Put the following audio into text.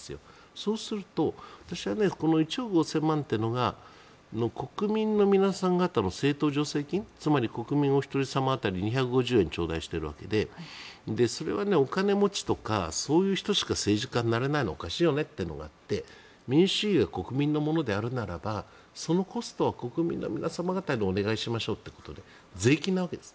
そうすると私は１億５０００万円というのは国民の皆さん方の政党助成金つまり国民お一人様当たり２５０円をちょうだいしているわけでそれはお金持ちとかそういう人しか政治家になれないのはおかしいよねというのがあって民主主義が国民のものであるならばそのコストは国民の皆さん方にお願いしましょうということで税金なわけです。